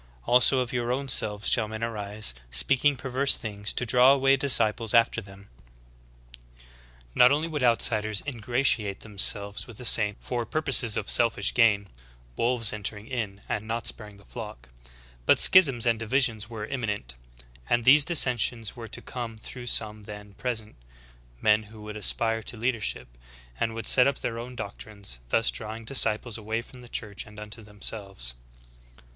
Also of your own selves shall men arise, speaking perverse things, to draw away disciples after them."'' 28. Not only would outsiders ingratiate themselves with the saints for purposes of selfish gain — wolves entering in, and not sparing the flock, — but schisms and divisions were imminent ; and these dissensions were to come through some then present — men who would aspire to leadership, and who would set up their own doctrines, thus drawing disciples away from the Church and unto themselves.